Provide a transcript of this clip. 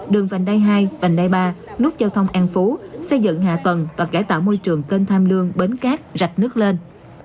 đường vành đai hai vành đai ba nút giao thông an phú xây dựng hạ tầng và cải tạo môi trường kênh tham lương bến cát rạch nước lên